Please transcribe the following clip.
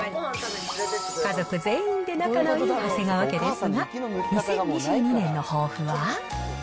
家族全員で仲のいい長谷川家ですが、２０２２年の抱負は？